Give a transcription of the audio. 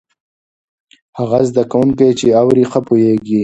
هغه زده کوونکی چې اوري، ښه پوهېږي.